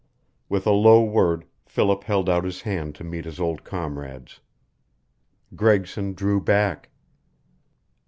With a low word Philip held out his hand to meet his old comrade's. Gregson drew back.